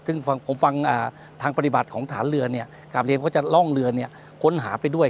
ซึ่งผมฟังทางปฏิบัติของฐานเรือเนี่ยกลับเรียนเขาจะล่องเรือค้นหาไปด้วย